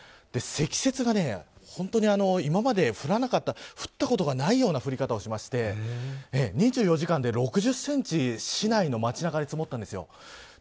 積雪が本当に今まで降らなかった降ったことがないような降り方をして２４時間で６０センチ市内の街中で積もったんです。